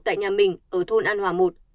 tại nhà mình ở thôn an hòa một